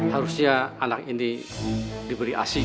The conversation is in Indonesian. harusnya anak ini diberi asing